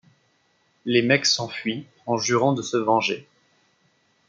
Les mecs s’enfuient, en jurant de se venger.